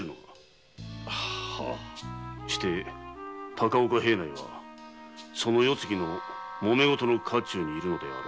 高岡平内は世継ぎのもめ事の渦中にいるのであろう。